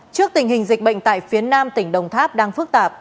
trước tình hình dịch bệnh tại phía nam tỉnh đồng tháp đang phức tạp